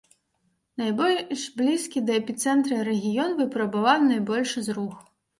Найбольш блізкі да эпіцэнтра рэгіён выпрабаваў найбольшы зрух.